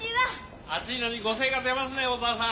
暑いのにご精が出ますね小沢さん。